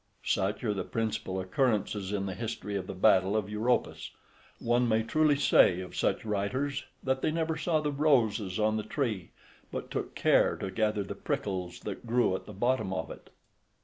Such are the principal occurrences in the history of the battle of Europus. One may truly say of such writers that they never saw the roses on the tree, but took care to gather the prickles that grew at the bottom of it.